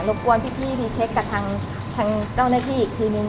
บกวนพี่รีเช็คกับทางเจ้าหน้าที่อีกทีนึง